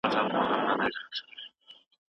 که غواړې چې هوښیار شې نو مسواک وهه.